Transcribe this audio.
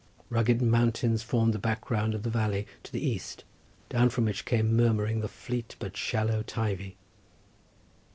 Rugged mountains formed the background of the valley to the east, down from which came murmuring the fleet but shallow Teivi.